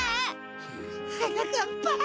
はなかっぱ。